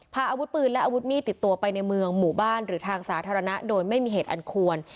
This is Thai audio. พาอาวุธปืนและอาวุธมีดติดตัวไปในเมืองหมู่บ้านหรือทางสาธารณะโดยไม่มีเหตุอันควร